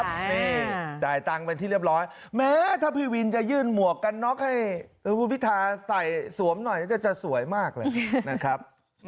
นี่จ่ายตังค์เป็นที่เรียบร้อยแม้ถ้าพี่วินจะยื่นหมวกกันน็อกให้คุณพิทาใส่สวมหน่อยจะสวยมากเลยนะครับ